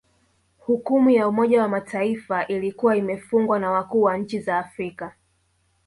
Hukumu ya Umoja wa Mataifa ilikuwa imefungwa na wakuu wa nchi za Afrika